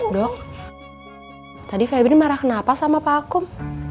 dok tadi febri marah kenapa sama pak akum